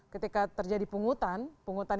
ketika terjadi pungutan